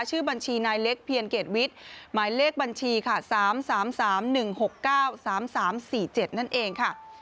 ชื่อบัญชีนายเล็กเพียรเกรดวิทย์หมายเลขบัญชีค่ะ๓๓๑๖๙๓๓๔๗นั่นเองค่ะ